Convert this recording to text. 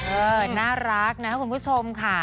เออน่ารักนะคุณผู้ชมค่ะ